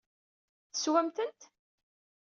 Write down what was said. Teswam-tent?